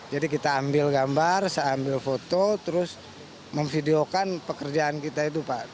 jadi kita ambil gambar saya ambil foto terus memvideokan pekerjaan kita itu pak